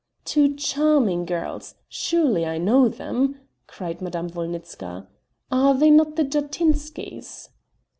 "Two charming girls! surely I know them," cried Madame Wolnitzka. "Are they not the Jatinskys?"